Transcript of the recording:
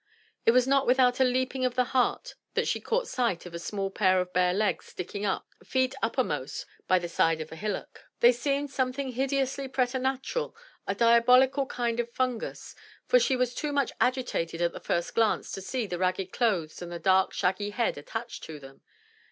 It was not without a leaping of the heart that she caught sight of a small pair of bare legs sticking up, feet uppermost, by the side of a hillock; they seemed something hideously preternatural, — a diabolical kind of fungus; for she was too much agitated at the first glance to see the ragged clothes and the dark shaggy head attached to them.